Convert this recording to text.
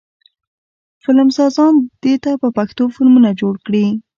فلمسازان دې په پښتو فلمونه جوړ کړي.